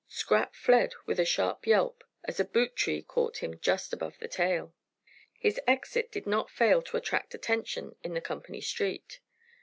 Scrap fled with a sharp yelp as a boot tree caught him just above the tail. His exit did not fail to attract attention in the company street.